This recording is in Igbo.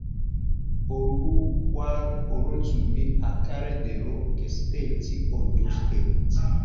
Oluwarotimi Akeredolu nke steeti Ondo